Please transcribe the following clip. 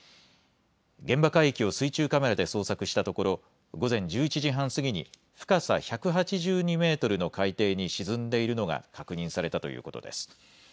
現場海域を水中カメラで捜索したところ午前１１時半過ぎに深さ１８２メートルの海底に沈んでいるのが確認されたということです。